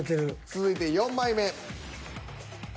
続いて４枚目。